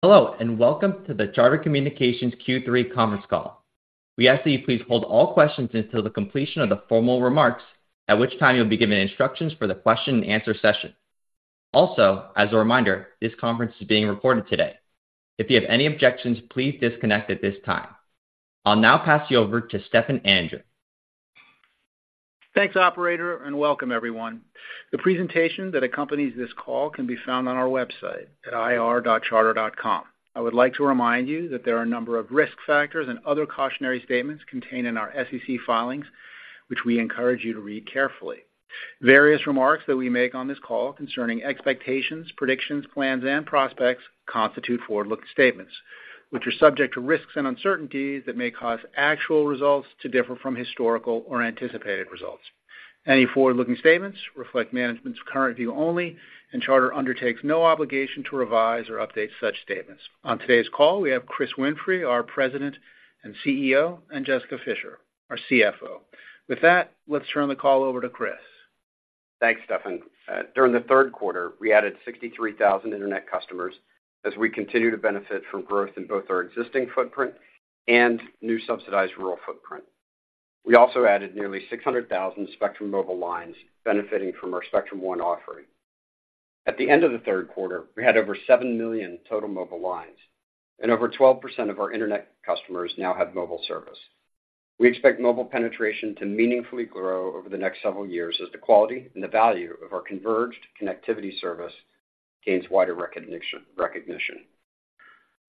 Hello, and welcome to the Charter Communications Q3 conference call. We ask that you please hold all questions until the completion of the formal remarks, at which time you'll be given instructions for the question and answer session. Also, as a reminder, this conference is being recorded today. If you have any objections, please disconnect at this time. I'll now pass you over to Stefan Anninger. Thanks, operator, and welcome everyone. The presentation that accompanies this call can be found on our website at ir.charter.com. I would like to remind you that there are a number of risk factors and other cautionary statements contained in our SEC filings, which we encourage you to read carefully. Various remarks that we make on this call concerning expectations, predictions, plans, and prospects constitute forward-looking statements, which are subject to risks and uncertainties that may cause actual results to differ from historical or anticipated results. Any forward-looking statements reflect management's current view only, and Charter undertakes no obligation to revise or update such statements. On today's call, we have Chris Winfrey, our President and CEO, and Jessica Fischer, our CFO. With that, let's turn the call over to Chris. Thanks, Stefan. During the third quarter, we added 63,000 internet customers as we continue to benefit from growth in both our existing footprint and new subsidized rural footprint. We also added nearly 600,000 Spectrum Mobile lines, benefiting from our Spectrum One offering. At the end of the third quarter, we had over 7 million total mobile lines, and over 12% of our internet customers now have mobile service. We expect mobile penetration to meaningfully grow over the next several years as the quality and the value of our converged connectivity service gains wider recognition.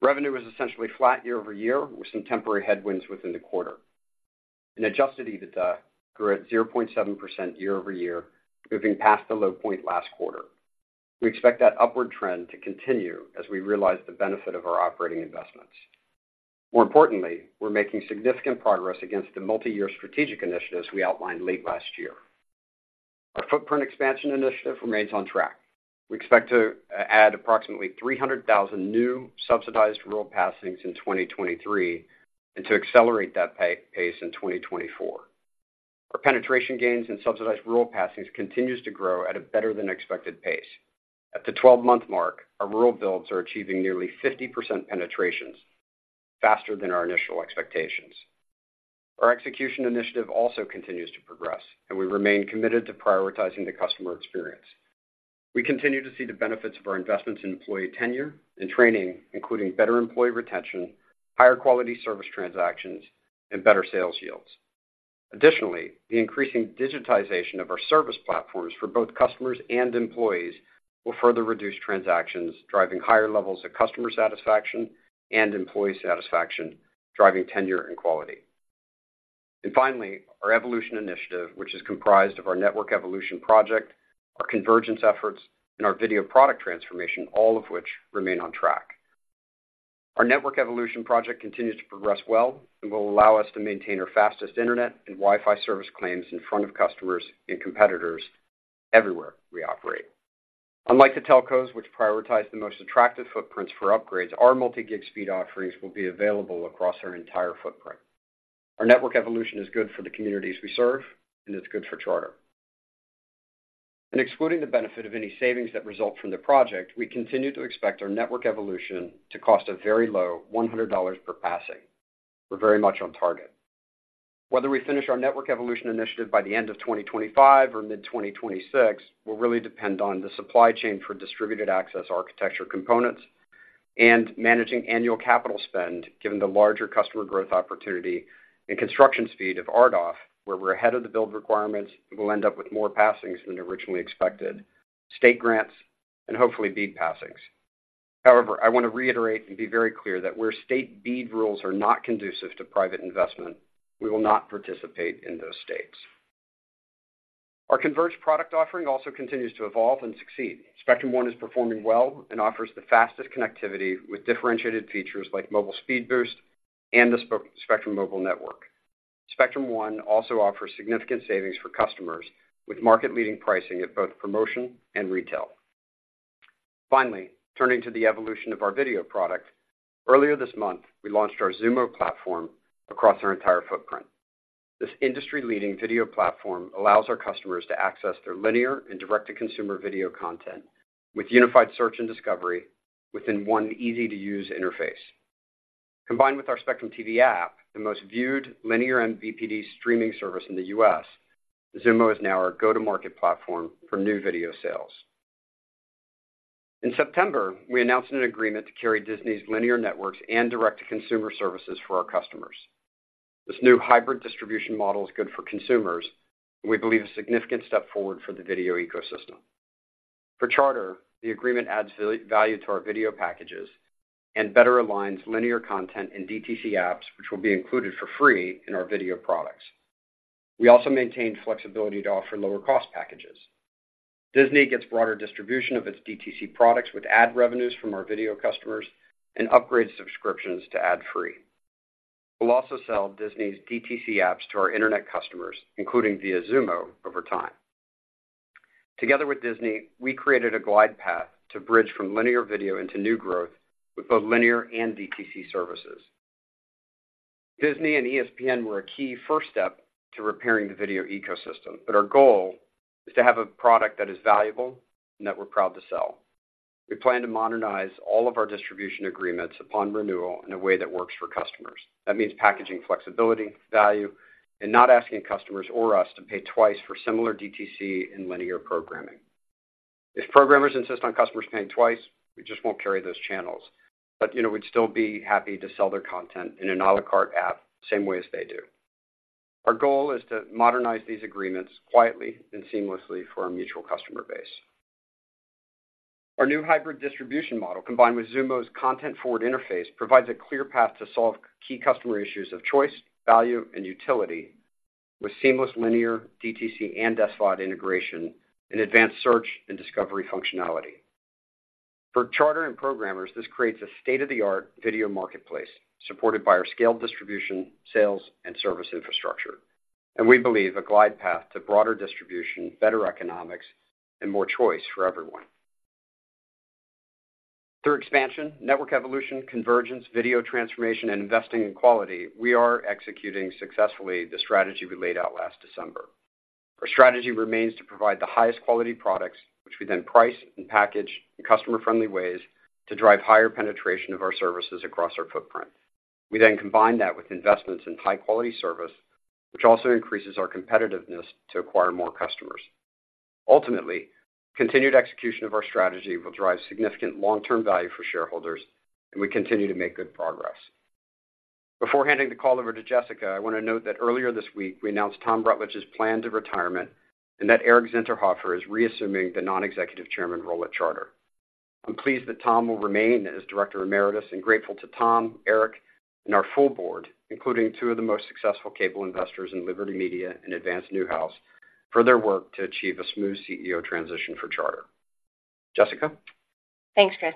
Revenue is essentially flat year-over-year, with some temporary headwinds within the quarter. An Adjusted EBITDA grew at 0.7% year-over-year, moving past the low point last quarter. We expect that upward trend to continue as we realize the benefit of our operating investments. More importantly, we're making significant progress against the multi-year strategic initiatives we outlined late last year. Our footprint expansion initiative remains on track. We expect to add approximately 300,000 new subsidized rural passings in 2023, and to accelerate that pace in 2024. Our penetration gains in subsidized rural passings continues to grow at a better than expected pace. At the 12-month mark, our rural builds are achieving nearly 50% penetrations, faster than our initial expectations. Our execution initiative also continues to progress, and we remain committed to prioritizing the customer experience. We continue to see the benefits of our investments in employee tenure and training, including better employee retention, higher quality service transactions, and better sales yields. Additionally, the increasing digitization of our service platforms for both customers and employees will further reduce transactions, driving higher levels of customer satisfaction and employee satisfaction, driving tenure and quality. Finally, our evolution initiative, which is comprised of our network evolution project, our convergence efforts, and our video product transformation, all of which remain on track. Our network evolution project continues to progress well and will allow us to maintain our fastest internet and Wi-Fi service claims in front of customers and competitors everywhere we operate. Unlike the telcos, which prioritize the most attractive footprints for upgrades, our multi-gig speed offerings will be available across our entire footprint. Our network evolution is good for the communities we serve, and it's good for Charter. Excluding the benefit of any savings that result from the project, we continue to expect our network evolution to cost a very low $100 per passing. We're very much on target. Whether we finish our network evolution initiative by the end of 2025 or mid-2026 will really depend on the supply chain for Distributed Access Architecture components and managing annual capital spend, given the larger customer growth opportunity and construction speed of RDOF, where we're ahead of the build requirements. We'll end up with more passings than originally expected, state grants and hopefully BEAD passings. However, I want to reiterate and be very clear that where state BEAD rules are not conducive to private investment, we will not participate in those states. Our converged product offering also continues to evolve and succeed. Spectrum One is performing well and offers the fastest connectivity with differentiated features like Mobile Speed Boost and the Spectrum Mobile network. Spectrum One also offers significant savings for customers, with market-leading pricing at both promotion and retail. Finally, turning to the evolution of our video product. Earlier this month, we launched our Xumo platform across our entire footprint. This industry-leading video platform allows our customers to access their linear and direct-to-consumer video content with unified search and discovery within one easy-to-use interface. Combined with our Spectrum TV app, the most viewed linear and VOD streaming service in the U.S., Xumo is now our go-to-market platform for new video sales. In September, we announced an agreement to carry Disney's linear networks and direct-to-consumer services for our customers. This new hybrid distribution model is good for consumers, and we believe a significant step forward for the video ecosystem. For Charter, the agreement adds value to our video packages and better aligns linear content and DTC apps, which will be included for free in our video products. We also maintain flexibility to offer lower-cost packages. Disney gets broader distribution of its DTC products with ad revenues from our video customers and upgrades subscriptions to ad-free. We'll also sell Disney's DTC apps to our internet customers, including via Xumo, over time. Together with Disney, we created a glide path to bridge from linear video into new growth with both linear and DTC services.... Disney and ESPN were a key first step to repairing the video ecosystem, but our goal is to have a product that is valuable and that we're proud to sell. We plan to modernize all of our distribution agreements upon renewal in a way that works for customers. That means packaging flexibility, value, and not asking customers or us to pay twice for similar DTC and linear programming. If programmers insist on customers paying twice, we just won't carry those channels, but, you know, we'd still be happy to sell their content in an à la carte app, same way as they do. Our goal is to modernize these agreements quietly and seamlessly for our mutual customer base. Our new hybrid distribution model, combined with Xumo's content-forward interface, provides a clear path to solve key customer issues of choice, value, and utility, with seamless linear DTC and SVOD integration and advanced search and discovery functionality. For Charter and programmers, this creates a state-of-the-art video marketplace, supported by our scaled distribution, sales, and service infrastructure, and we believe a glide path to broader distribution, better economics, and more choice for everyone. Through expansion, network evolution, convergence, video transformation, and investing in quality, we are executing successfully the strategy we laid out last December. Our strategy remains to provide the highest quality products, which we then price and package in customer-friendly ways to drive higher penetration of our services across our footprint. We then combine that with investments in high-quality service, which also increases our competitiveness to acquire more customers. Ultimately, continued execution of our strategy will drive significant long-term value for shareholders, and we continue to make good progress. Before handing the call over to Jessica, I want to note that earlier this week, we announced Tom Rutledge's plan to retirement and that Eric Zinterhofer is reassuming the non-executive chairman role at Charter. I'm pleased that Tom will remain as Director Emeritus, and grateful to Tom, Eric, and our full board, including two of the most successful cable investors in Liberty Media and Advance/Newhouse, for their work to achieve a smooth CEO transition for Charter. Jessica? Thanks, Chris.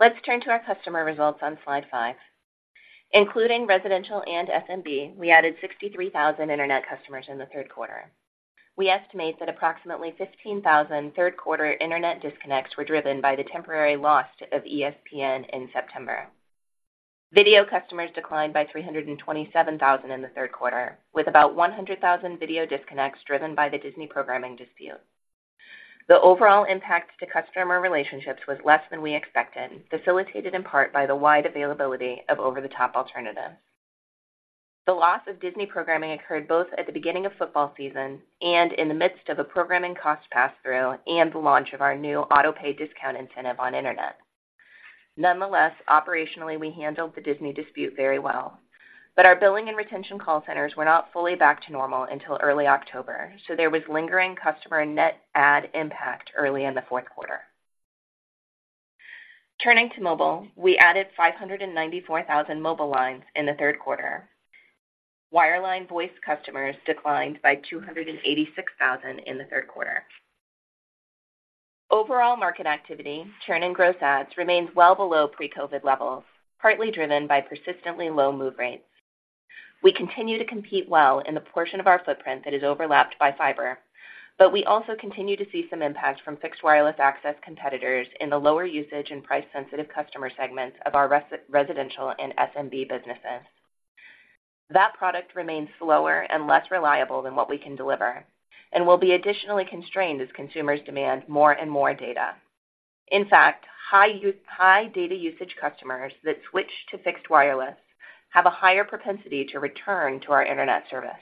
Let's turn to our customer results on slide five. Including residential and SMB, we added 63,000 Internet customers in the third quarter. We estimate that approximately 15,000 third quarter Internet disconnects were driven by the temporary loss of ESPN in September. Video customers declined by 327,000 in the third quarter, with about 100,000 video disconnects driven by the Disney programming dispute. The overall impact to customer relationships was less than we expected, facilitated in part by the wide availability of over-the-top alternatives. The loss of Disney programming occurred both at the beginning of football season and in the midst of a programming cost pass-through and the launch of our new autopay discount incentive on Internet. Nonetheless, operationally, we handled the Disney dispute very well, but our billing and retention call centers were not fully back to normal until early October, so there was lingering customer net ad impact early in the fourth quarter. Turning to mobile, we added 594,000 mobile lines in the third quarter. Wireline voice customers declined by 286,000 in the third quarter. Overall market activity, churn and gross adds, remains well below pre-COVID levels, partly driven by persistently low move rates. We continue to compete well in the portion of our footprint that is overlapped by fiber, but we also continue to see some impact from fixed wireless access competitors in the lower usage and price-sensitive customer segments of our residential and SMB businesses. That product remains slower and less reliable than what we can deliver and will be additionally constrained as consumers demand more and more data. In fact, high data usage customers that switch to fixed wireless have a higher propensity to return to our Internet service.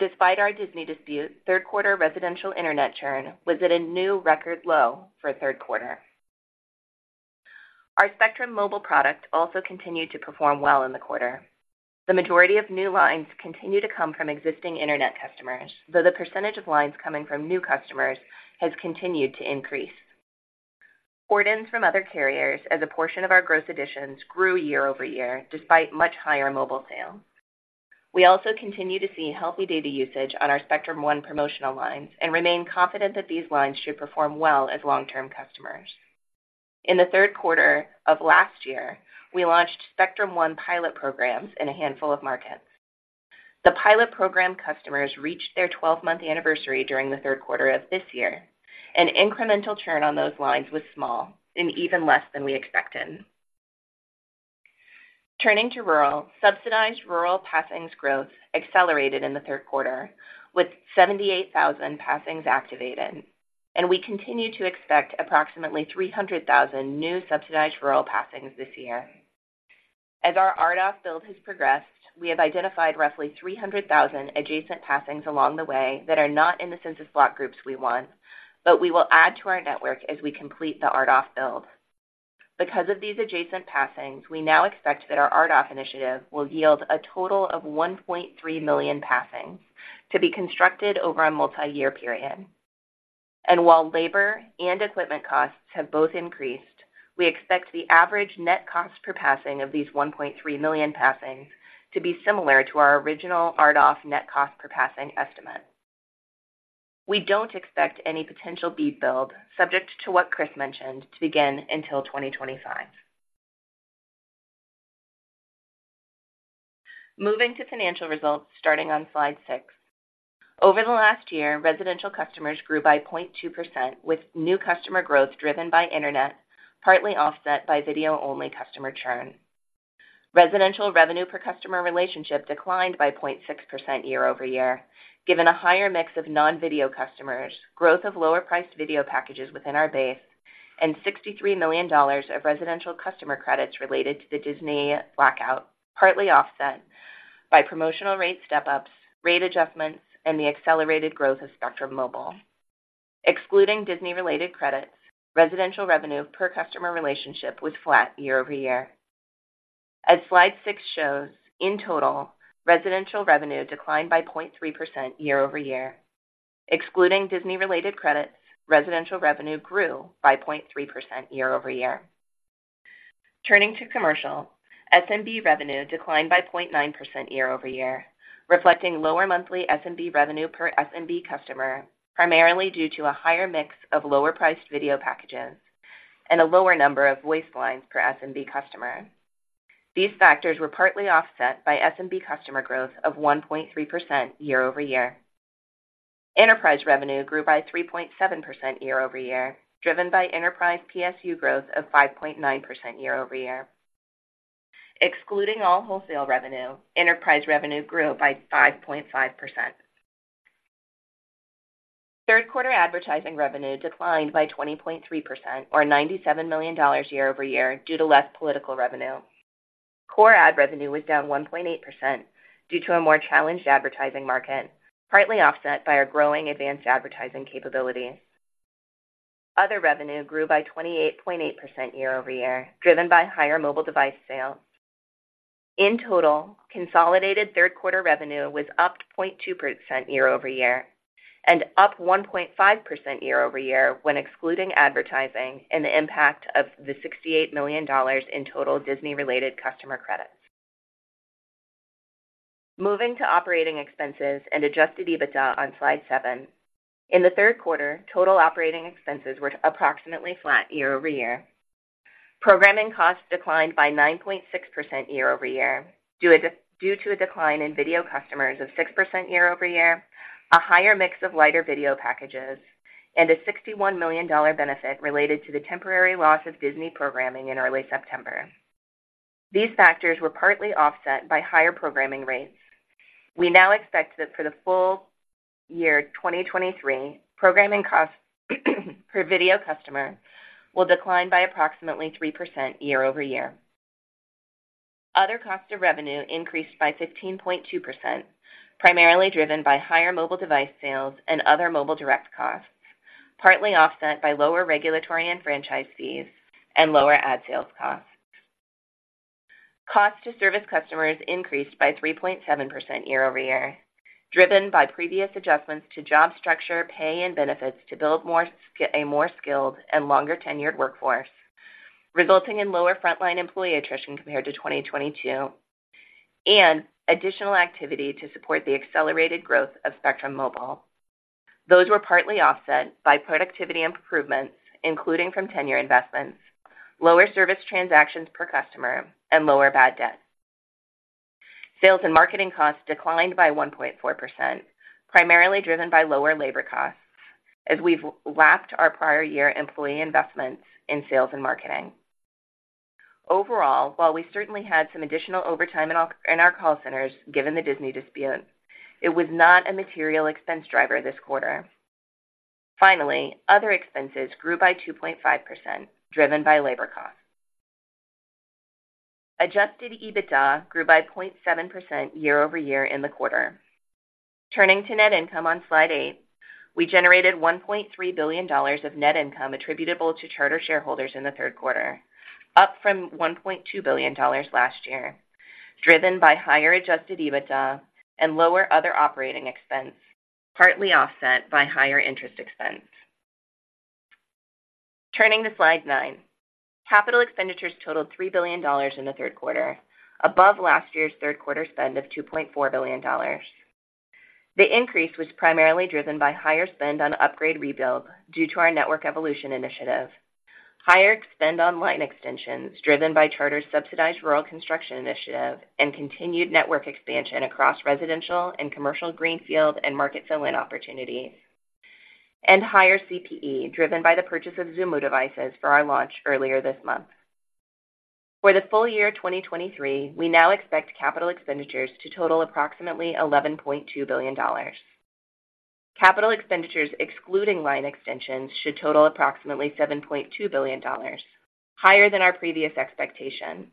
Despite our Disney dispute, third quarter residential Internet churn was at a new record low for a third quarter. Our Spectrum Mobile product also continued to perform well in the quarter. The majority of new lines continue to come from existing Internet customers, though the percentage of lines coming from new customers has continued to increase. Port-ins from other carriers as a portion of our gross additions grew year-over-year, despite much higher mobile sales. We also continue to see healthy data usage on our Spectrum One promotional lines and remain confident that these lines should perform well as long-term customers. In the third quarter of last year, we launched Spectrum One pilot programs in a handful of markets. The pilot program customers reached their 12-month anniversary during the third quarter of this year, and incremental churn on those lines was small and even less than we expected. Turning to rural, subsidized rural passings growth accelerated in the third quarter, with 78,000 passings activated, and we continue to expect approximately 300,000 new subsidized rural passings this year. As our RDOF build has progressed, we have identified roughly 300,000 adjacent passings along the way that are not in the census block groups we want, but we will add to our network as we complete the RDOF build. Because of these adjacent passings, we now expect that our RDOF initiative will yield a total of 1.3 million passings to be constructed over a multiyear period. While labor and equipment costs have both increased, we expect the average net cost per passing of these 1.3 million passings to be similar to our original RDOF net cost per passing estimate. We don't expect any potential BEAD build, subject to what Chris mentioned, to begin until 2025. Moving to financial results, starting on slide six. Over the last year, residential customers grew by 0.2%, with new customer growth driven by internet, partly offset by video-only customer churn. Residential revenue per customer relationship declined by 0.6% year-over-year, given a higher mix of non-video customers, growth of lower-priced video packages within our base, and $63 million of residential customer credits related to the Disney blackout, partly offset by promotional rate step-ups, rate adjustments, and the accelerated growth of Spectrum Mobile. Excluding Disney-related credits, residential revenue per customer relationship was flat year-over-year. As slide six shows, in total, residential revenue declined by 0.3% year-over-year. Excluding Disney-related credits, residential revenue grew by 0.3% year-over-year. Turning to commercial, SMB revenue declined by 0.9% year-over-year, reflecting lower monthly SMB revenue per SMB customer, primarily due to a higher mix of lower-priced video packages and a lower number of voice lines per SMB customer. These factors were partly offset by SMB customer growth of 1.3% year-over-year. Enterprise revenue grew by 3.7% year-over-year, driven by enterprise PSU growth of 5.9% year-over-year. Excluding all wholesale revenue, enterprise revenue grew by 5.5%. Third quarter advertising revenue declined by 20.3%, or $97 million year-over-year, due to less political revenue. Core ad revenue was down 1.8% due to a more challenged advertising market, partly offset by our growing advanced advertising capabilities. Other revenue grew by 28.8% year-over-year, driven by higher mobile device sales. In total, consolidated third quarter revenue was up 0.2% year-over-year and up 1.5% year-over-year when excluding advertising and the impact of the $68 million in total Disney-related customer credits. Moving to operating expenses and Adjusted EBITDA on slide seven. In the third quarter, total operating expenses were approximately flat year-over-year. Programming costs declined by 9.6% year-over-year, due to a decline in video customers of 6% year-over-year, a higher mix of lighter video packages, and a $61 million benefit related to the temporary loss of Disney programming in early September. These factors were partly offset by higher programming rates. We now expect that for the full year 2023, programming costs per video customer will decline by approximately 3% year-over-year. Other costs of revenue increased by 15.2%, primarily driven by higher mobile device sales and other mobile direct costs, partly offset by lower regulatory and franchise fees and lower ad sales costs. Cost to service customers increased by 3.7% year-over-year, driven by previous adjustments to job structure, pay, and benefits to build a more skilled and longer-tenured workforce, resulting in lower frontline employee attrition compared to 2022, and additional activity to support the accelerated growth of Spectrum Mobile. Those were partly offset by productivity improvements, including from tenure investments, lower service transactions per customer, and lower bad debt. Sales and marketing costs declined by 1.4%, primarily driven by lower labor costs, as we've lapped our prior year employee investments in sales and marketing. Overall, while we certainly had some additional overtime in our call centers, given the Disney dispute, it was not a material expense driver this quarter. Finally, other expenses grew by 2.5%, driven by labor costs. Adjusted EBITDA grew by 0.7% year-over-year in the quarter. Turning to net income on slide eight, we generated $1.3 billion of net income attributable to Charter shareholders in the third quarter, up from $1.2 billion last year, driven by higher Adjusted EBITDA and lower other operating expense, partly offset by higher interest expense. Turning to slide nine. Capital expenditures totaled $3 billion in the third quarter, above last year's third quarter spend of $2.4 billion. The increase was primarily driven by higher spend on upgrade rebuild due to our network evolution initiative, higher spend on line extensions, driven by Charter's subsidized rural construction initiative and continued network expansion across residential and commercial greenfield and market fill-in opportunities, and higher CPE, driven by the purchase of Xumo devices for our launch earlier this month. For the full year 2023, we now expect capital expenditures to total approximately $11.2 billion. Capital expenditures, excluding line extensions, should total approximately $7.2 billion, higher than our previous expectation.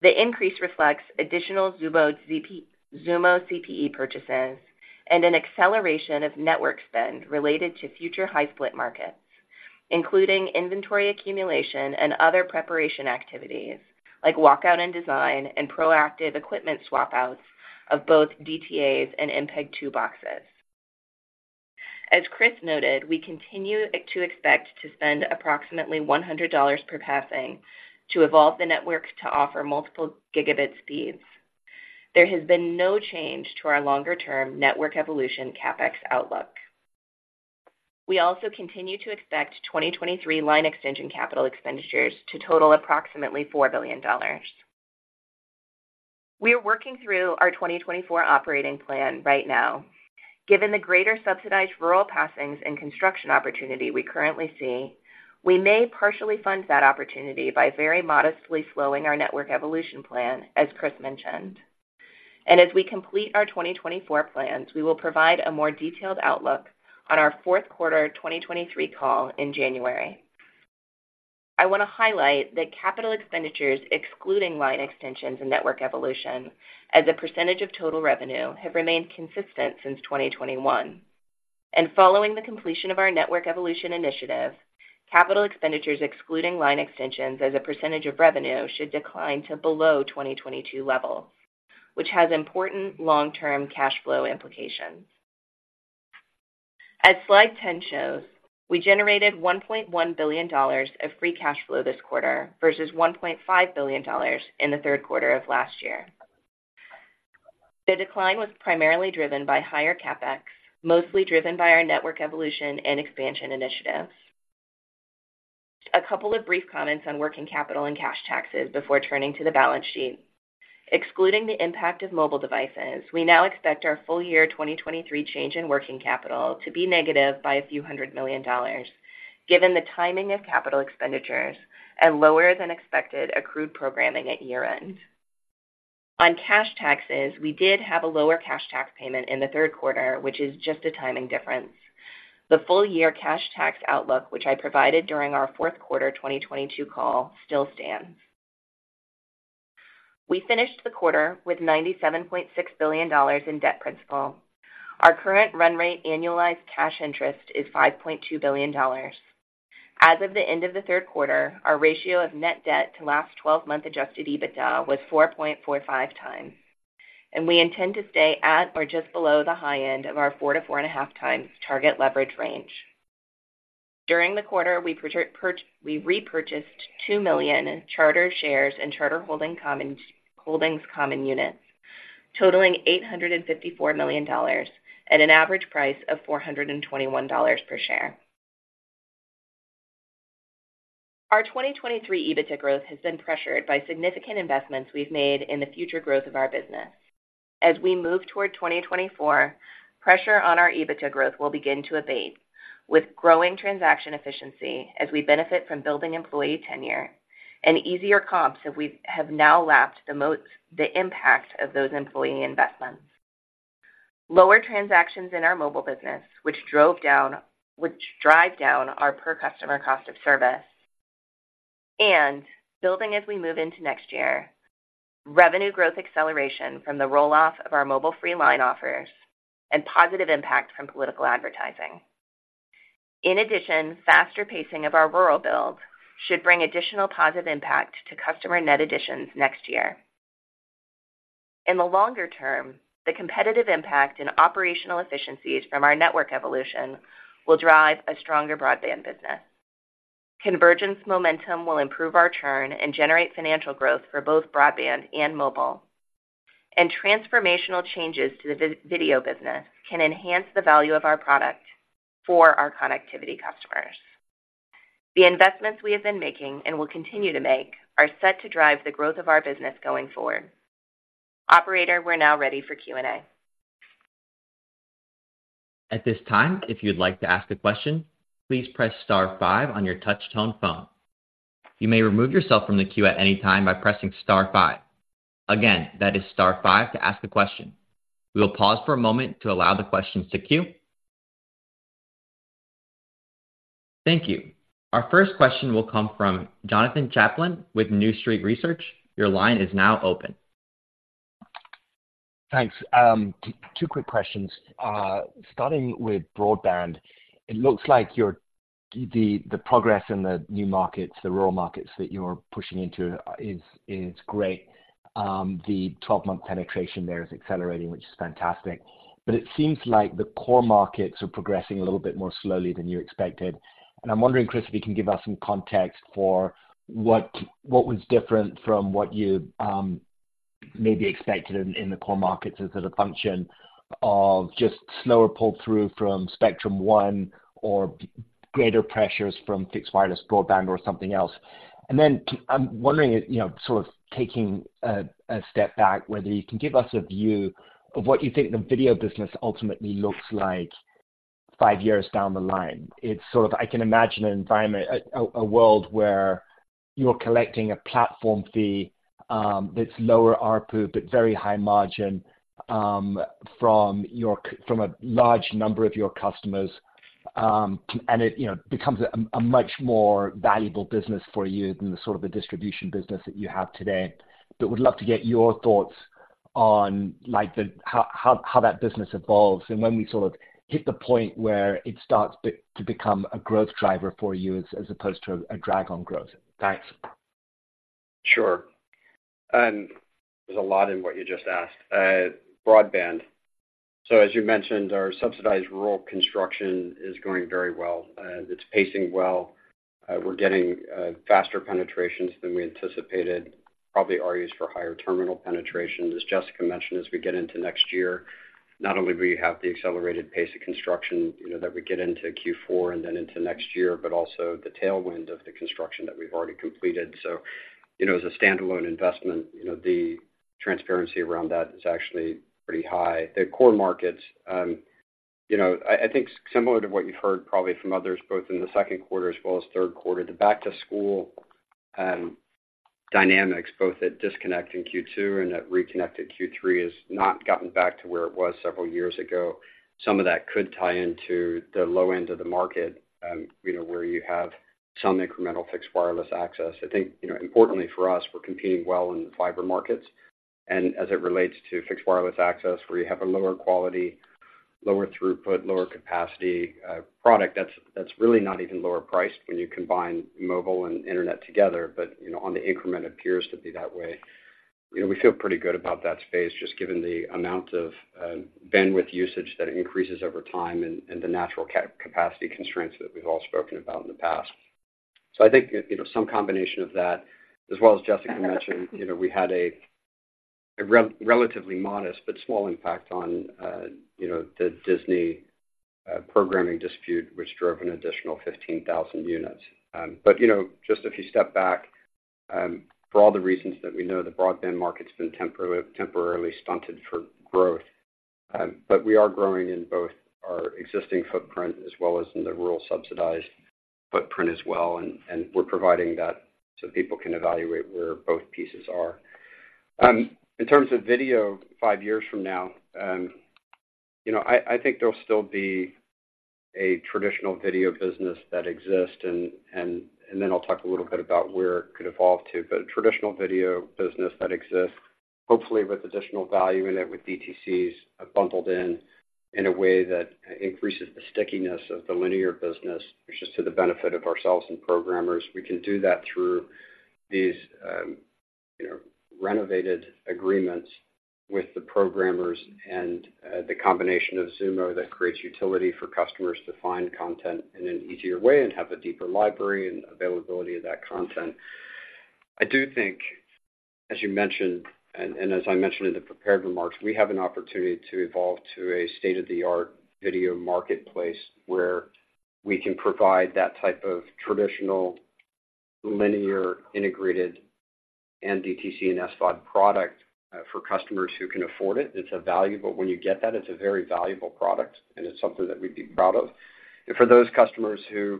The increase reflects additional Xumo CPE purchases and an acceleration of network spend related to future high split markets, including inventory accumulation and other preparation activities like walkout and design and proactive equipment swap-outs of both DTAs and MPEG-2 boxes. As Chris noted, we continue to expect to spend approximately $100 per passing to evolve the network to offer multiple gigabit speeds. There has been no change to our longer-term network evolution CapEx outlook... We also continue to expect 2023 line extension capital expenditures to total approximately $4 billion. We are working through our 2024 operating plan right now. Given the greater subsidized rural passings and construction opportunity we currently see, we may partially fund that opportunity by very modestly slowing our network evolution plan, as Chris mentioned. As we complete our 2024 plans, we will provide a more detailed outlook on our fourth quarter 2023 call in January. I want to highlight that capital expenditures, excluding line extensions and network evolution, as a percentage of total revenue, have remained consistent since 2021. Following the completion of our network evolution initiative, capital expenditures excluding line extensions as a percentage of revenue, should decline to below 2022 level, which has important long-term cash flow implications. As slide 10 shows, we generated $1.1 billion of free cash flow this quarter versus $1.5 billion in the third quarter of last year. The decline was primarily driven by higher CapEx, mostly driven by our network evolution and expansion initiatives. A couple of brief comments on working capital and cash taxes before turning to the balance sheet. Excluding the impact of mobile devices, we now expect our full year 2023 change in working capital to be negative by a few hundred million dollars, given the timing of capital expenditures and lower than expected accrued programming at year-end. On cash taxes, we did have a lower cash tax payment in the third quarter, which is just a timing difference. The full year cash tax outlook, which I provided during our fourth quarter 2022 call, still stands. We finished the quarter with $97.6 billion in debt principal. Our current run rate annualized cash interest is $5.2 billion. As of the end of the third quarter, our ratio of net debt to last twelve-month Adjusted EBITDA was 4.45 times, and we intend to stay at or just below the high end of our 4-4.5 times target leverage range. During the quarter, we repurchased 2 million Charter shares and Charter Holdings common units, totaling $854 million at an average price of $421 per share. Our 2023 EBITDA growth has been pressured by significant investments we've made in the future growth of our business. As we move toward 2024, pressure on our EBITDA growth will begin to abate, with growing transaction efficiency as we benefit from building employee tenure and easier comps as we have now lapsed the impact of those employee investments. Lower transactions in our mobile business, which drive down our per customer cost of service and building as we move into next year. Revenue growth acceleration from the roll off of our mobile free line offers and positive impact from political advertising. In addition, faster pacing of our rural build should bring additional positive impact to customer net additions next year. In the longer term, the competitive impact and operational efficiencies from our network evolution will drive a stronger broadband business. Convergence momentum will improve our churn and generate financial growth for both broadband and mobile. Transformational changes to the video business can enhance the value of our product for our connectivity customers. The investments we have been making and will continue to make are set to drive the growth of our business going forward. Operator, we're now ready for Q&A. At this time, if you'd like to ask a question, please press star five on your touch tone phone. You may remove yourself from the queue at any time by pressing star five. Again, that is star five to ask a question. We will pause for a moment to allow the questions to queue. Thank you. Our first question will come from Jonathan Chaplin with New Street Research. Your line is now open. Thanks. Two quick questions. Starting with broadband, it looks like your—the progress in the new markets, the rural markets that you're pushing into is great. The 12-month penetration there is accelerating, which is fantastic. But it seems like the core markets are progressing a little bit more slowly than you expected. And I'm wondering, Chris, if you can give us some context for what was different from what you maybe expected in the core markets. Is it a function of just slower pull through from Spectrum One, or greater pressures from fixed wireless broadband or something else? And then I'm wondering if, you know, sort of taking a step back, whether you can give us a view of what you think the video business ultimately looks like five years down the line. It's sort of... I can imagine an environment, a world where you're collecting a platform fee, that's lower ARPU, but very high margin, from your—from a large number of your customers. And it, you know, becomes a much more valuable business for you than the sort of the distribution business that you have today. But would love to get your thoughts on, like, the—how that business evolves and when we sort of hit the point where it starts to become a growth driver for you, as opposed to a drag on growth. Thanks. Sure. There's a lot in what you just asked. Broadband. As you mentioned, our subsidized rural construction is going very well. It's pacing well.... we're getting, faster penetrations than we anticipated, probably argues for higher terminal penetration. As Jessica mentioned, as we get into next year, not only do we have the accelerated pace of construction, you know, that we get into Q4 and then into next year, but also the tailwind of the construction that we've already completed. So, you know, as a standalone investment, you know, the transparency around that is actually pretty high. The core markets, you know, I think similar to what you've heard probably from others, both in the second quarter as well as third quarter, the back-to-school dynamics, both at disconnect in Q2 and at reconnected Q3, has not gotten back to where it was several years ago. Some of that could tie into the low end of the market, you know, where you have some incremental fixed wireless access. I think, you know, importantly for us, we're competing well in the fiber markets. And as it relates to fixed wireless access, where you have a lower quality, lower throughput, lower capacity product, that's really not even lower priced when you combine mobile and internet together. But, you know, on the increment, it appears to be that way. You know, we feel pretty good about that space, just given the amount of bandwidth usage that increases over time and the natural capacity constraints that we've all spoken about in the past. So I think, you know, some combination of that, as well as Jessica mentioned, you know, we had a relatively modest but small impact on, you know, the Disney programming dispute, which drove an additional 15,000 units. You know, just if you step back, for all the reasons that we know, the broadband market's been temporarily stunted for growth, but we are growing in both our existing footprint as well as in the rural subsidized footprint as well, and we're providing that so people can evaluate where both pieces are. In terms of video, five years from now, you know, I think there'll still be a traditional video business that exists, and then I'll talk a little bit about where it could evolve to. A traditional video business that exists, hopefully with additional value in it, with DTCs bundled in, in a way that increases the stickiness of the linear business, which is to the benefit of ourselves and programmers. We can do that through these, you know, renovated agreements with the programmers and, the combination of Xumo that creates utility for customers to find content in an easier way and have a deeper library and availability of that content. I do think, as you mentioned, as I mentioned in the prepared remarks, we have an opportunity to evolve to a state-of-the-art video marketplace where we can provide that type of traditional, linear, integrated and DTC and SVOD product, for customers who can afford it. It's a valuable, when you get that, it's a very valuable product, and it's something that we'd be proud of. For those customers who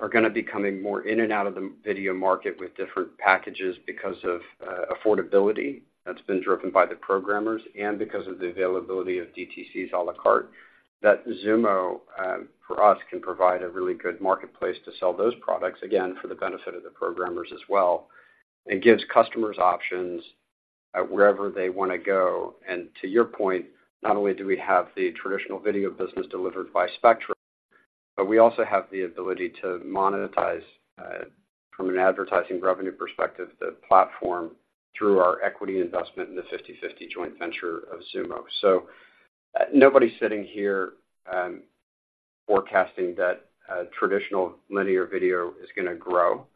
are gonna be coming more in and out of the video market with different packages because of affordability, that's been driven by the programmers and because of the availability of DTCs a la carte, that Xumo for us can provide a really good marketplace to sell those products, again, for the benefit of the programmers as well. It gives customers options at wherever they want to go. To your point, not only do we have the traditional video business delivered by Spectrum, but we also have the ability to monetize from an advertising revenue perspective the platform through our equity investment in the 50/50 joint venture of Xumo. So nobody's sitting here forecasting that traditional linear video is gonna grow,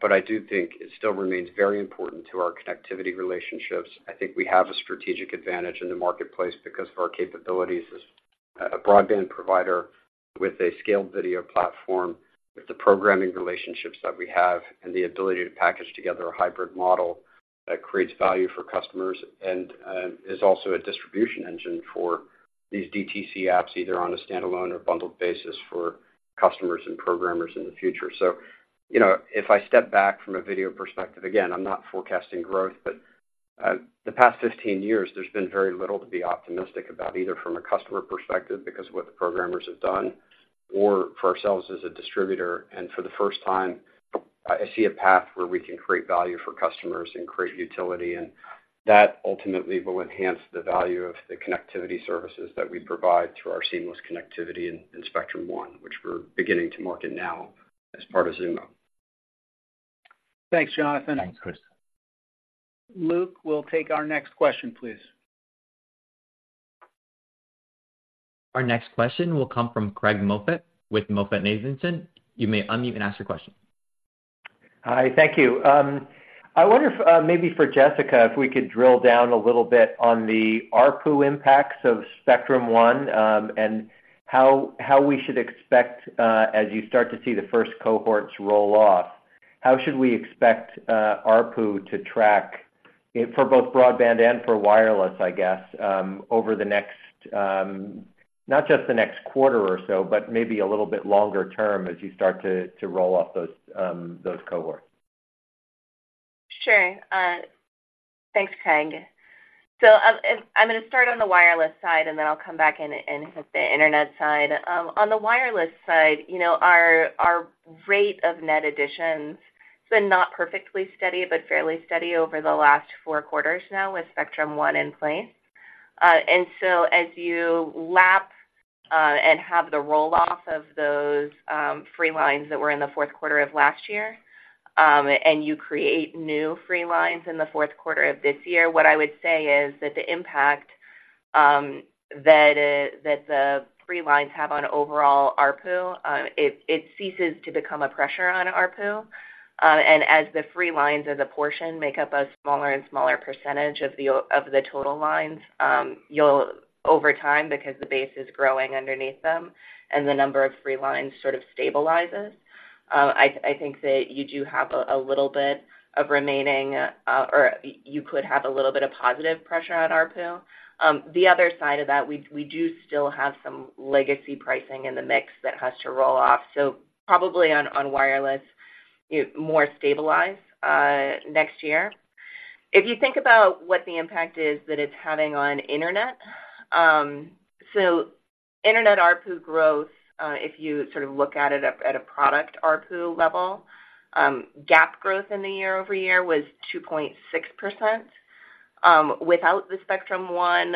but I do think it still remains very important to our connectivity relationships. I think we have a strategic advantage in the marketplace because of our capabilities as a broadband provider with a scaled video platform, with the programming relationships that we have, and the ability to package together a hybrid model that creates value for customers and is also a distribution engine for these DTC apps, either on a standalone or bundled basis for customers and programmers in the future. So, you know, if I step back from a video perspective, again, I'm not forecasting growth, but the past 15 years, there's been very little to be optimistic about, either from a customer perspective, because of what the programmers have done, or for ourselves as a distributor. For the first time, I see a path where we can create value for customers and create utility, and that ultimately will enhance the value of the connectivity services that we provide through our seamless connectivity in Spectrum One, which we're beginning to market now as part of Xumo. Thanks, Jonathan. Thanks, Chris. Luke, we'll take our next question, please. Our next question will come from Craig Moffett with MoffettNathanson. You may unmute and ask your question. Hi, thank you. I wonder if, maybe for Jessica, if we could drill down a little bit on the ARPU impacts of Spectrum One, and how we should expect ARPU to track it for both broadband and for wireless, I guess, over the next, not just the next quarter or so, but maybe a little bit longer term as you start to roll off those cohorts? Sure. Thanks, Craig. So, I'm gonna start on the wireless side, and then I'll come back in and hit the internet side. On the wireless side, you know, our, our rate of net additions has been not perfectly steady, but fairly steady over the last four quarters now with Spectrum One in place. And so as you lap, and have the roll-off of those, free lines that were in the fourth quarter of last year, and you create new free lines in the fourth quarter of this year, what I would say is that the impact that the free lines have on overall ARPU, it ceases to become a pressure on ARPU. As the free lines as a portion make up a smaller and smaller percentage of the total lines, you'll over time, because the base is growing underneath them and the number of free lines sort of stabilizes, I think that you do have a little bit of remaining, or you could have a little bit of positive pressure on ARPU. The other side of that, we do still have some legacy pricing in the mix that has to roll off. Probably on wireless, it more stabilized next year. If you think about what the impact is that it's having on internet, internet ARPU growth, if you sort of look at it at a product ARPU level, GAAP growth in the year-over-year was 2.6%. Without the Spectrum One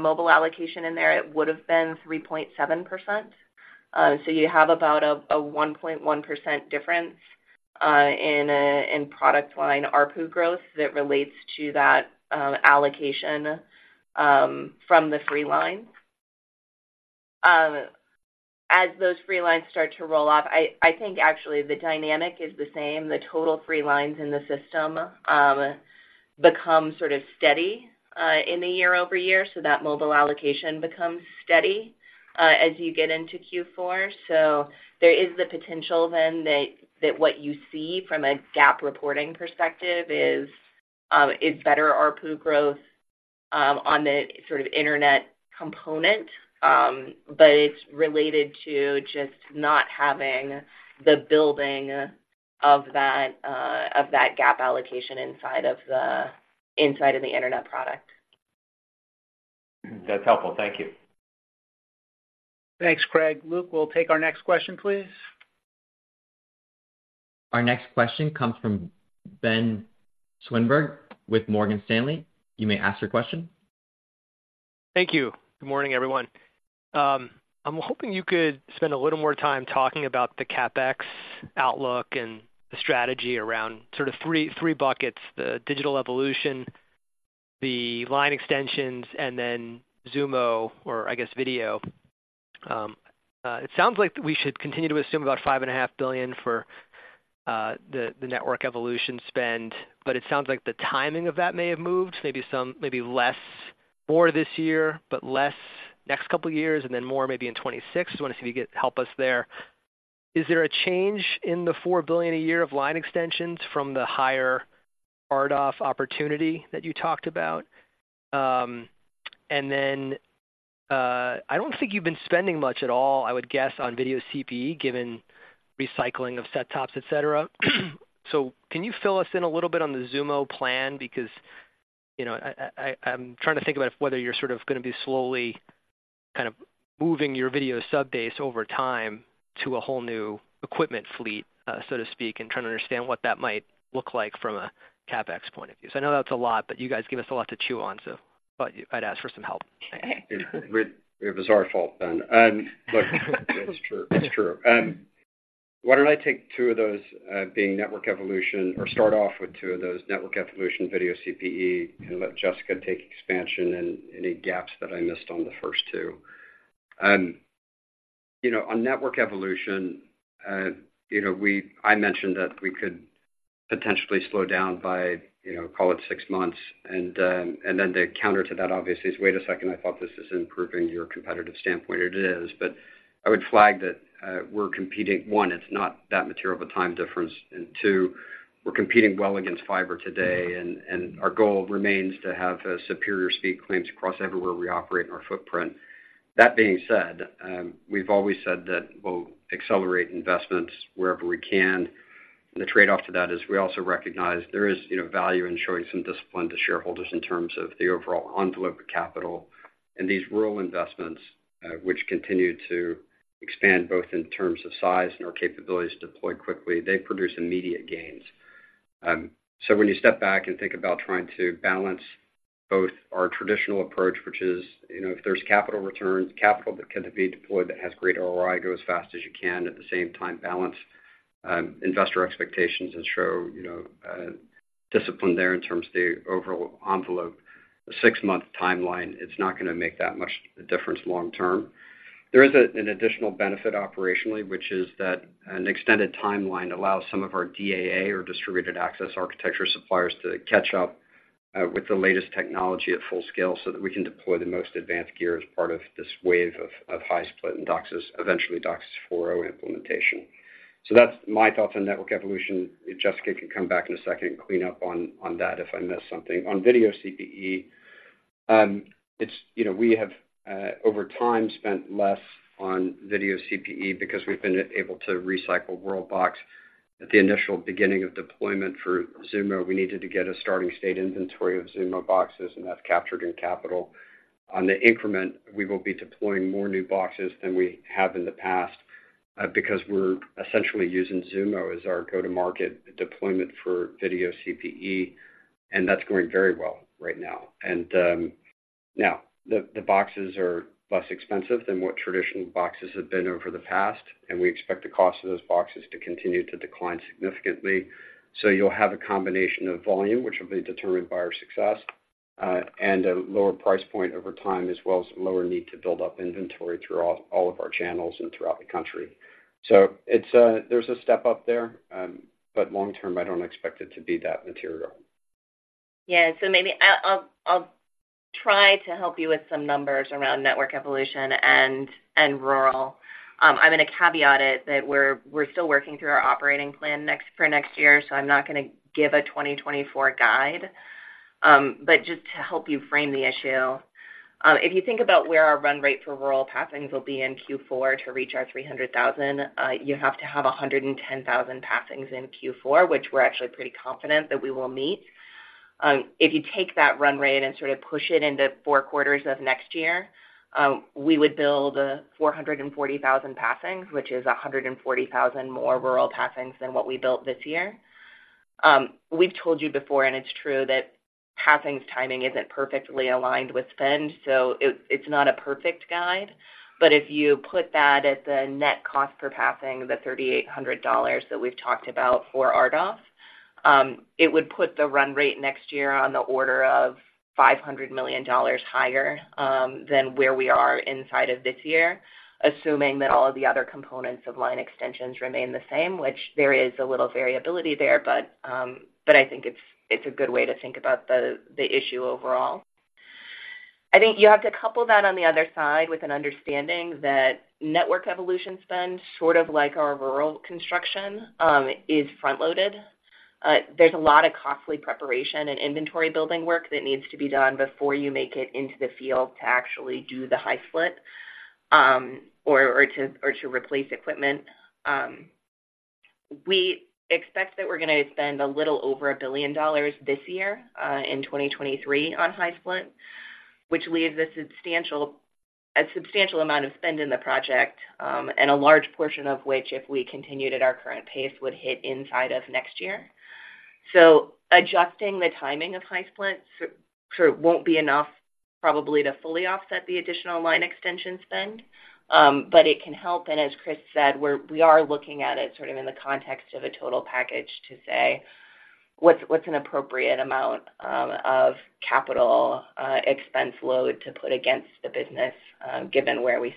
mobile allocation in there, it would have been 3.7%. So you have about a 1.1% difference in product line ARPU growth that relates to that allocation from the free line. As those free lines start to roll off, I think actually the dynamic is the same. The total free lines in the system become sort of steady in the year-over-year, so that mobile allocation becomes steady as you get into Q4. So there is the potential then that what you see from a GAAP reporting perspective is better ARPU growth on the sort of internet component, but it's related to just not having the building of that GAAP allocation inside of the internet product. That's helpful. Thank you. Thanks, Craig. Luke, we'll take our next question, please. Our next question comes from Ben Swinburne with Morgan Stanley. You may ask your question. Thank you. Good morning, everyone. I'm hoping you could spend a little more time talking about the CapEx outlook and the strategy around sort of three buckets, the digital evolution, the line extensions, and then Xumo, or I guess, video. It sounds like we should continue to assume about $5.5 billion for the network evolution spend, but it sounds like the timing of that may have moved. Maybe more this year, but less next couple of years, and then more maybe in 2026. I just want to see if you could help us there. Is there a change in the $4 billion a year of line extensions from the higher RDOF opportunity that you talked about? And then, I don't think you've been spending much at all, I would guess, on video CPE, given recycling of set tops, et cetera. So can you fill us in a little bit on the Xumo plan? Because, you know, I'm trying to think about whether you're sort of gonna be slowly kind of moving your video subbase over time to a whole new equipment fleet, so to speak, and trying to understand what that might look like from a CapEx point of view. So I know that's a lot, but you guys give us a lot to chew on, so but I'd ask for some help. It was our fault then. Look- It's true. It's true. Why don't I take two of those, being network evolution, or start off with two of those, network evolution, video CPE, and let Jessica take expansion and any gaps that I missed on the first two. You know, on network evolution, you know, we. I mentioned that we could potentially slow down by, you know, call it six months. And then the counter to that, obviously, is, wait a second, I thought this is improving your competitive standpoint. It is, but I would flag that, we're competing. One, it's not that material of a time difference, and two, we're competing well against fiber today, and, and our goal remains to have a superior speed claims across everywhere we operate in our footprint. That being said, we've always said that we'll accelerate investments wherever we can. The trade-off to that is we also recognize there is, you know, value in showing some discipline to shareholders in terms of the overall envelope of capital. These rural investments, which continue to expand both in terms of size and our capabilities to deploy quickly, they produce immediate gains. So when you step back and think about trying to balance both our traditional approach, which is, you know, if there's capital returns, capital that can be deployed, that has great ROI, go as fast as you can, at the same time, balance, investor expectations and show, you know, discipline there in terms of the overall envelope. A six-month timeline, it's not gonna make that much difference long term. There is an additional benefit operationally, which is that an extended timeline allows some of our DAA or distributed access architecture suppliers to catch up with the latest technology at full scale, so that we can deploy the most advanced gear as part of this wave of high split and DOCSIS, eventually DOCSIS 4.0 implementation. So that's my thoughts on network evolution. Jessica can come back in a second and clean up on that if I missed something. On video CPE, it's you know, we have over time, spent less on video CPE because we've been able to recycle WorldBox. At the initial beginning of deployment for Xumo, we needed to get a starting state inventory of Xumo boxes, and that's captured in capital. On the increment, we will be deploying more new boxes than we have in the past, because we're essentially using Xumo as our go-to-market deployment for video CPE, and that's going very well right now. And now, the boxes are less expensive than what traditional boxes have been over the past, and we expect the cost of those boxes to continue to decline significantly. So you'll have a combination of volume, which will be determined by our success, and a lower price point over time, as well as a lower need to build up inventory through all of our channels and throughout the country. So it's, there's a step up there, but long term, I don't expect it to be that material. Yeah. So maybe I'll try to help you with some numbers around network evolution and rural. I'm gonna caveat it that we're still working through our operating plan for next year, so I'm not gonna give a 2024 guide. But just to help you frame the issue, if you think about where our run rate for rural passings will be in Q4 to reach our 300,000, you have to have 110,000 passings in Q4, which we're actually pretty confident that we will meet. If you take that run rate and sort of push it into four quarters of next year, we would build 440,000 passings, which is 140,000 more rural passings than what we built this year. We've told you before, and it's true, that passings timing isn't perfectly aligned with spend, so it's not a perfect guide. But if you put that at the net cost per passing, the $3,800 that we've talked about for RDOF, it would put the run rate next year on the order of $500 million higher, than where we are inside of this year, assuming that all of the other components of line extensions remain the same, which there is a little variability there, but, but I think it's a good way to think about the issue overall. I think you have to couple that on the other side with an understanding that network evolution spend, sort of like our rural construction, is front-loaded. There's a lot of costly preparation and inventory building work that needs to be done before you make it into the field to actually do the high split, or to replace equipment. We expect that we're gonna spend a little over $1 billion this year, in 2023 on high split, which leaves a substantial amount of spend in the project, and a large portion of which, if we continued at our current pace, would hit inside of next year. So adjusting the timing of high split sort of won't be enough probably to fully offset the additional line extension spend, but it can help. As Chris said, we are looking at it sort of in the context of a total package to say, what's an appropriate amount of capital expense load to put against the business, given where we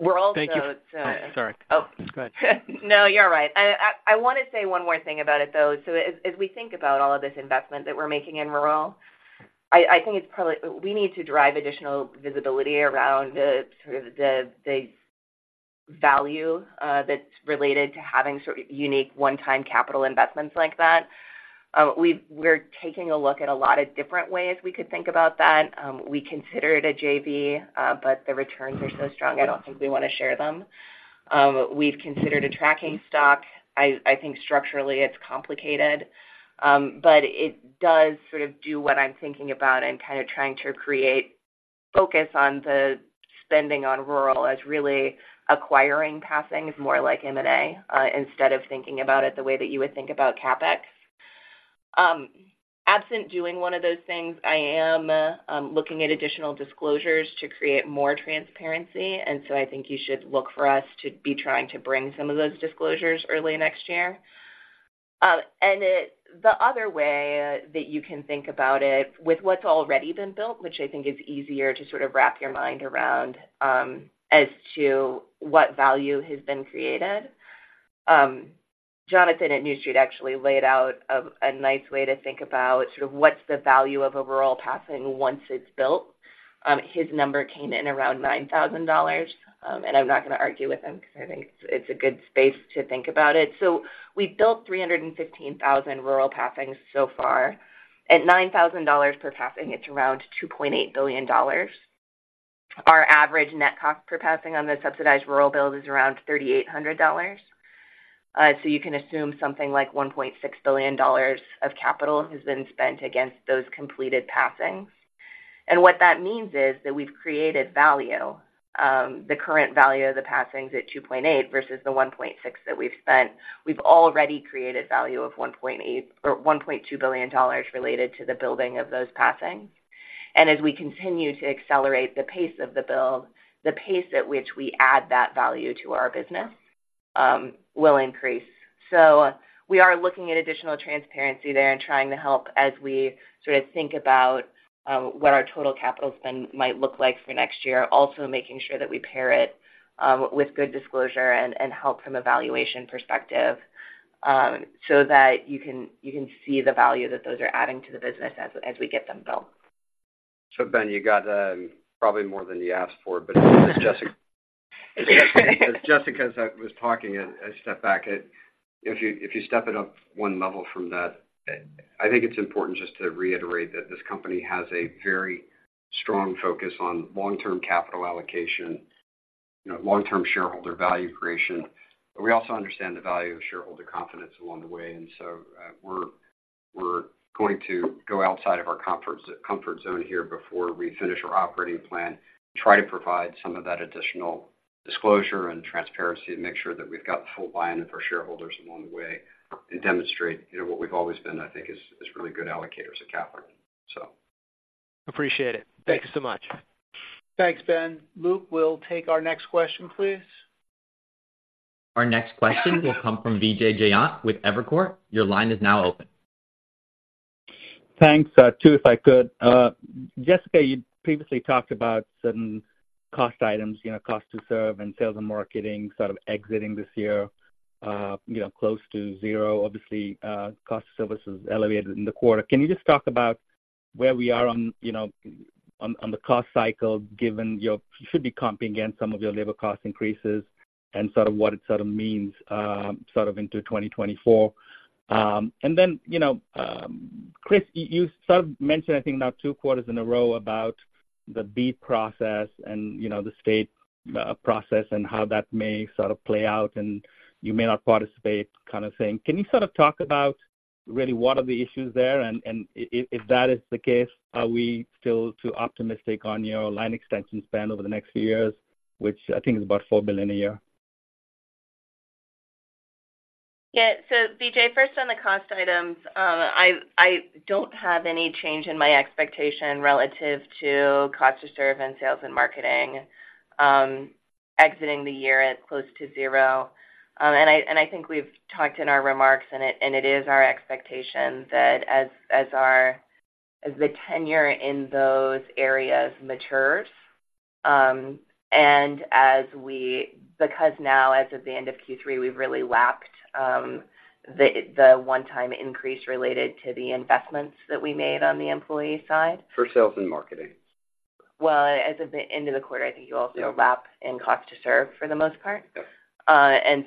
sit. We're also- Thank you. Oh, sorry. Oh. Go ahead. No, you're right. I wanna say one more thing about it, though. So as we think about all of this investment that we're making in rural, I think it's probably... We need to drive additional visibility around the sort of the value that's related to having sort of unique one-time capital investments like that. We're taking a look at a lot of different ways we could think about that. We considered a JV, but the returns are so strong, I don't think we wanna share them. We've considered a tracking stock. I think structurally it's complicated, but it does sort of do what I'm thinking about and kind of trying to create focus on the spending on rural as really acquiring passings, more like M&A, instead of thinking about it the way that you would think about CapEx. Absent doing one of those things, I am looking at additional disclosures to create more transparency, and so I think you should look for us to be trying to bring some of those disclosures early next year. And the other way that you can think about it, with what's already been built, which I think is easier to sort of wrap your mind around, as to what value has been created. Jonathan at New Street actually laid out a nice way to think about sort of what's the value of a rural passing once it's built. His number came in around $9,000, and I'm not gonna argue with him because I think it's a good space to think about it. So we've built 315,000 rural passings so far. At $9,000 per passing, it's around $2.8 billion. Our average net cost per passing on the subsidized rural build is around $3,800. So you can assume something like $1.6 billion of capital has been spent against those completed passings. And what that means is that we've created value. The current value of the passings at 2.8 versus the 1.6 that we've spent, we've already created value of 1.8, or $1.2 billion related to the building of those passings. And as we continue to accelerate the pace of the build, the pace at which we add that value to our business, will increase. So we are looking at additional transparency there and trying to help as we sort of think about, what our total capital spend might look like for next year. Also, making sure that we pair it, with good disclosure and, and help from a valuation perspective, so that you can, you can see the value that those are adding to the business as, as we get them built. So Ben, you got probably more than you asked for, but as Jessica, as Jessica was talking, I stepped back. If you step it up one level from that, I think it's important just to reiterate that this company has a very strong focus on long-term capital allocation, you know, long-term shareholder value creation. But we also understand the value of shareholder confidence along the way, and so we're going to go outside of our comfort zone here before we finish our operating plan, try to provide some of that additional disclosure and transparency, and make sure that we've got the full buy-in of our shareholders along the way, and demonstrate, you know, what we've always been, I think is really good allocators of capital, so. Appreciate it. Thank you so much. Thanks, Ben. Luke, we'll take our next question, please.... Our next question will come from Vijay Jayant with Evercore. Your line is now open. Thanks. Two, if I could. Jessica, you previously talked about certain cost items, you know, cost to serve and sales and marketing sort of exiting this year, you know, close to zero. Obviously, cost of service is elevated in the quarter. Can you just talk about where we are on, you know, on the cost cycle, given your-- you should be comping against some of your labor cost increases and sort of what it sort of means, sort of into 2024? And then, you know, Chris, you sort of mentioned, I think now two quarters in a row, about the BEAD process and, you know, the state process and how that may sort of play out, and you may not participate, kind of thing. Can you sort of talk about really what are the issues there? If that is the case, are we still too optimistic on your line extension spend over the next few years, which I think is about $4 billion a year? Yeah. So Vijay, first on the cost items, I don't have any change in my expectation relative to cost to serve and sales and marketing, exiting the year at close to zero. And I think we've talked in our remarks, and it is our expectation that as our tenure in those areas matures, and because now, as of the end of Q3, we've really lapped the one-time increase related to the investments that we made on the employee side. For sales and marketing. Well, as of the end of the quarter, I think you also lap in cost to serve for the most part. Yep.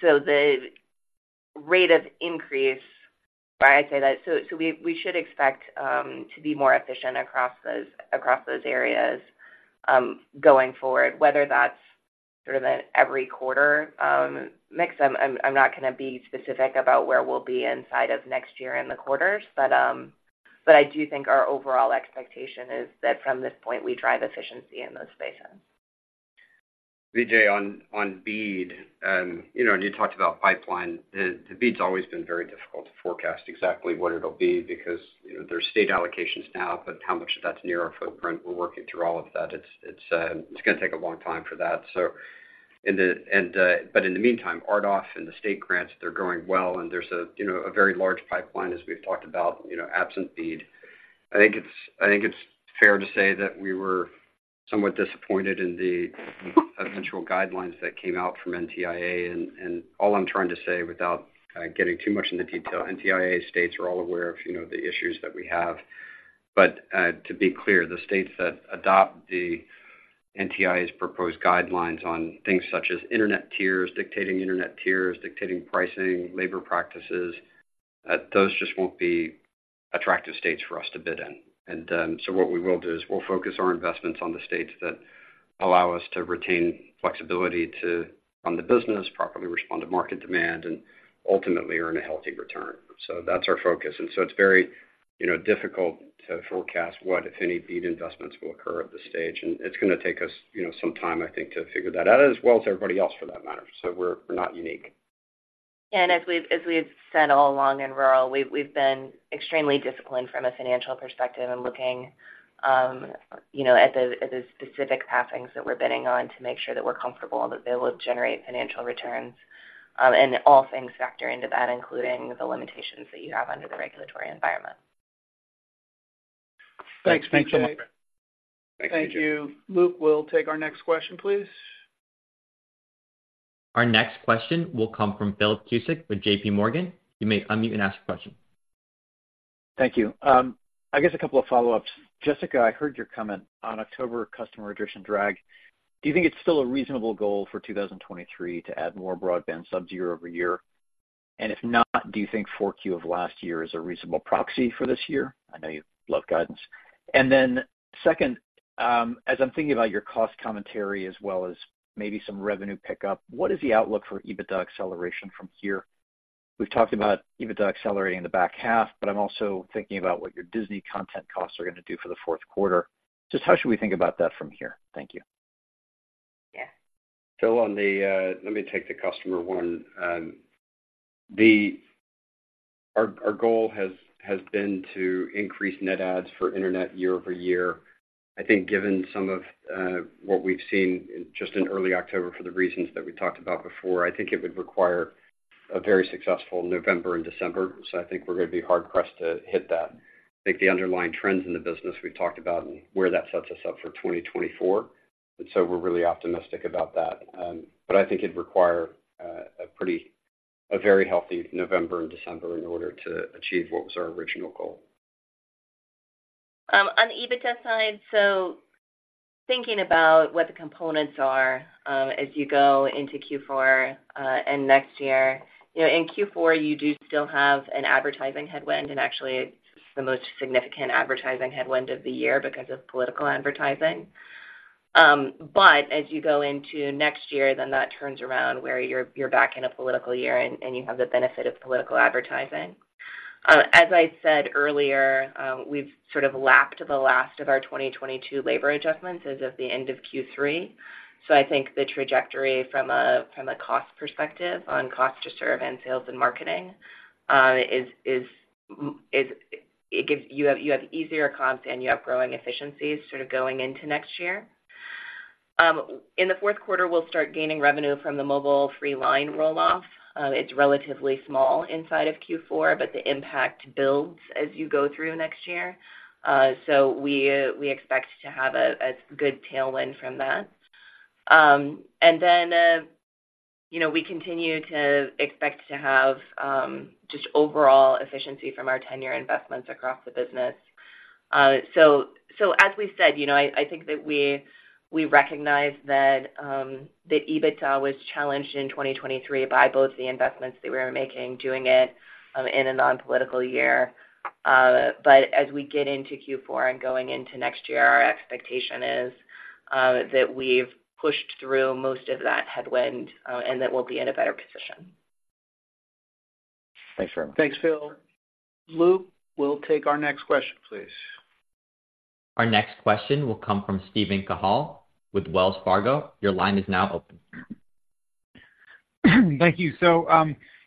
So the rate of increase, I'd say that. So we should expect to be more efficient across those areas, going forward, whether that's sort of an every quarter mix. I'm not going to be specific about where we'll be inside of next year in the quarters, but I do think our overall expectation is that from this point, we drive efficiency in those spaces. Vijay, on BEAD, you know, and you talked about pipeline. The BEAD's always been very difficult to forecast exactly what it'll be because, you know, there's state allocations now, but how much of that's near our footprint? We're working through all of that. It's going to take a long time for that. So and the, and, but in the meantime, RDOF and the state grants, they're growing well, and there's a, you know, a very large pipeline, as we've talked about, you know, absent BEAD. I think it's fair to say that we were somewhat disappointed in the eventual guidelines that came out from NTIA. And all I'm trying to say, without getting too much into detail, NTIA states are all aware of, you know, the issues that we have. But to be clear, the states that adopt the NTIA's proposed guidelines on things such as internet tiers, dictating internet tiers, dictating pricing, labor practices, those just won't be attractive states for us to bid in. So what we will do is we'll focus our investments on the states that allow us to retain flexibility to run the business, properly respond to market demand, and ultimately earn a healthy return. So that's our focus. And so it's very, you know, difficult to forecast what, if any, BEAD investments will occur at this stage. And it's going to take us, you know, some time, I think, to figure that out, as well as everybody else, for that matter. So we're not unique. And as we've said all along in Rural, we've been extremely disciplined from a financial perspective and looking, you know, at the specific passings that we're bidding on to make sure that we're comfortable that they will generate financial returns. And all things factor into that, including the limitations that you have under the regulatory environment. Thanks. Thanks, Jessica. Thank you. Thank you. Luke, we'll take our next question, please. Our next question will come from Philip Cusick with JPMorgan. You may unmute and ask a question. Thank you. I guess a couple of follow-ups. Jessica, I heard your comment on October customer addition drag. Do you think it's still a reasonable goal for 2023 to add more broadband subs year over year? And if not, do you think Q4 of last year is a reasonable proxy for this year? I know you love guidance. And then second, as I'm thinking about your cost commentary as well as maybe some revenue pickup, what is the outlook for EBITDA acceleration from here? We've talked about EBITDA accelerating in the back half, but I'm also thinking about what your Disney content costs are going to do for the fourth quarter. Just how should we think about that from here? Thank you. Yeah. Phil, on the customer one. Let me take the customer one. Our goal has been to increase net adds for internet year-over-year. I think given some of what we've seen just in early October, for the reasons that we talked about before, I think it would require a very successful November and December. So I think we're going to be hard-pressed to hit that. I think the underlying trends in the business we've talked about and where that sets us up for 2024, and so we're really optimistic about that. But I think it'd require a pretty—a very healthy November and December in order to achieve what was our original goal. On the EBITDA side, so thinking about what the components are, as you go into Q4, and next year, you know, in Q4, you do still have an advertising headwind, and actually, it's the most significant advertising headwind of the year because of political advertising. But as you go into next year, then that turns around where you're back in a political year, and you have the benefit of political advertising. As I said earlier, we've sort of lapped the last of our 2022 labor adjustments as of the end of Q3. So I think the trajectory from a cost perspective on cost to serve and sales and marketing is. It gives you easier comps, and you have growing efficiencies sort of going into next year. In the fourth quarter, we'll start gaining revenue from the mobile free line roll-off. It's relatively small inside of Q4, but the impact builds as you go through next year. So we, we expect to have a, a good tailwind from that. And then, you know, we continue to expect to have, just overall efficiency from our tenure investments across the business. So, so as we said, you know, I, I think that we, we recognize that, the EBITDA was challenged in 2023 by both the investments that we were making, doing it, in a non-political year. But as we get into Q4 and going into next year, our expectation is, that we've pushed through most of that headwind, and that we'll be in a better position. Thanks very much. Thanks, Phil. Luke, we'll take our next question, please. Our next question will come from Steven Cahall with Wells Fargo. Your line is now open. Thank you. So,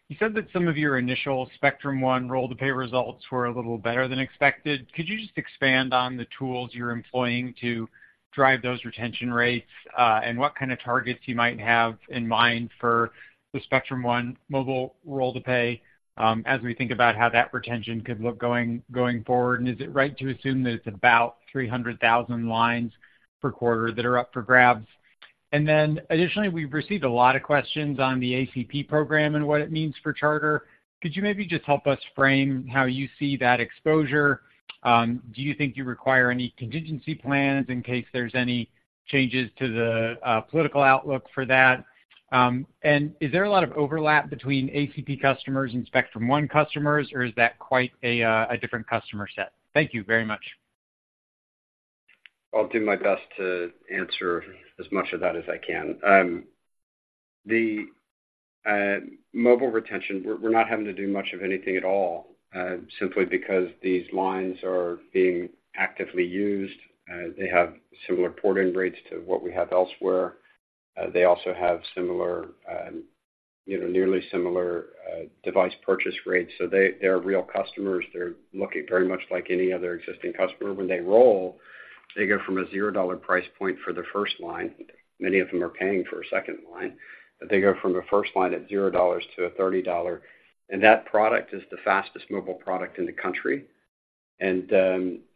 you said that some of your initial Spectrum One roll to pay results were a little better than expected. Could you just expand on the tools you're employing to drive those retention rates, and what kind of targets you might have in mind for the Spectrum One mobile roll to pay, as we think about how that retention could look going forward? And is it right to assume that it's about 300,000 lines per quarter that are up for grabs? And then additionally, we've received a lot of questions on the ACP program and what it means for Charter. Could you maybe just help us frame how you see that exposure? Do you think you require any contingency plans in case there's any changes to the, political outlook for that? Is there a lot of overlap between ACP customers and Spectrum One customers, or is that quite a different customer set? Thank you very much. I'll do my best to answer as much of that as I can. The mobile retention, we're not having to do much of anything at all, simply because these lines are being actively used. They have similar port-in rates to what we have elsewhere. They also have similar, you know, nearly similar, device purchase rates. So they're real customers. They're looking very much like any other existing customer. When they roll, they go from a $0 price point for the first line. Many of them are paying for a second line, but they go from a first line at $0 to a $30, and that product is the fastest mobile product in the country. And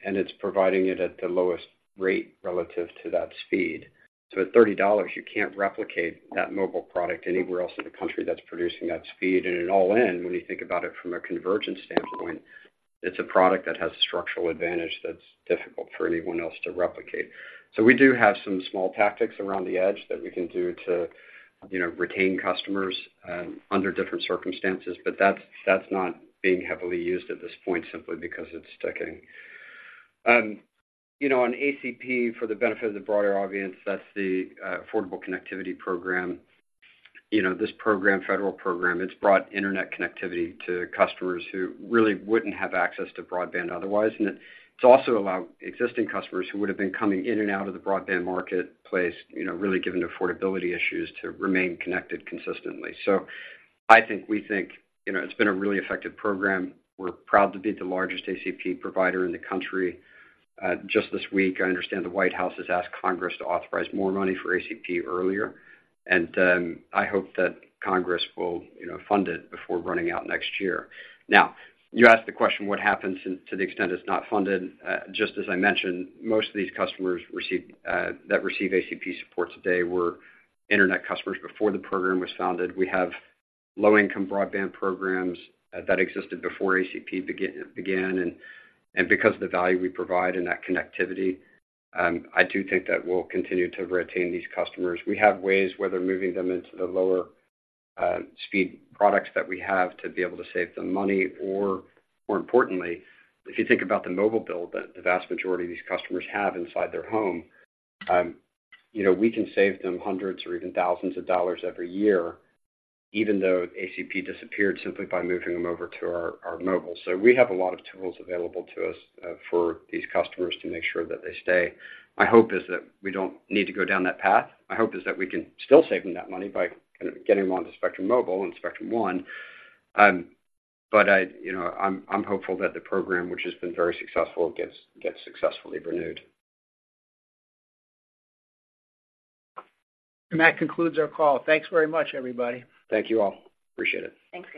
it's providing it at the lowest rate relative to that speed. So at $30, you can't replicate that mobile product anywhere else in the country that's producing that speed. And in all in, when you think about it from a convergence standpoint, it's a product that has structural advantage that's difficult for anyone else to replicate. So we do have some small tactics around the edge that we can do to, you know, retain customers under different circumstances, but that's, that's not being heavily used at this point simply because it's sticking. You know, on ACP, for the benefit of the broader audience, that's the Affordable Connectivity Program. You know, this program, federal program, it's brought internet connectivity to customers who really wouldn't have access to broadband otherwise. And it's also allowed existing customers who would have been coming in and out of the broadband marketplace, you know, really given affordability issues, to remain connected consistently. So I think we think, you know, it's been a really effective program. We're proud to be the largest ACP provider in the country. Just this week, I understand the White House has asked Congress to authorize more money for ACP earlier, and I hope that Congress will, you know, fund it before running out next year. Now, you asked the question, what happens to the extent it's not funded? Just as I mentioned, most of these customers that receive ACP support today were internet customers before the program was founded. We have low-income broadband programs that existed before ACP began, and because of the value we provide and that connectivity, I do think that we'll continue to retain these customers. We have ways, whether moving them into the lower speed products that we have to be able to save them money, or more importantly, if you think about the mobile bill that the vast majority of these customers have inside their home, you know, we can save them hundreds or even thousands of dollars every year, even though ACP disappeared, simply by moving them over to our mobile. So we have a lot of tools available to us for these customers to make sure that they stay. My hope is that we don't need to go down that path. My hope is that we can still save them that money by kind of getting them onto Spectrum Mobile and Spectrum One. But I, you know, I'm hopeful that the program, which has been very successful, gets successfully renewed. That concludes our call. Thanks very much, everybody. Thank you all. Appreciate it. Thanks.